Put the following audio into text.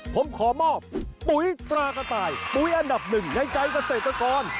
ผมขอมอบปุ๋ยตรากระต่ายปุ๋ยอันดับหนึ่งในใจเกษตรกร